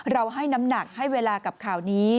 ให้น้ำหนักให้เวลากับข่าวนี้